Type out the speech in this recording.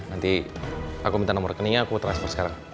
nanti aku minta nomor rekeningnya aku transfer sekarang